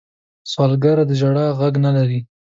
سوالګر د ژړا غږ نه لري